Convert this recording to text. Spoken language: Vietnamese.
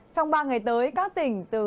trong ba ngày tới các tỉnh từ